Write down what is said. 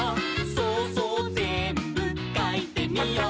「そうそうぜんぶかいてみよう」